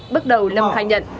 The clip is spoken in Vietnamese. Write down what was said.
bước đầu lâm khai nhận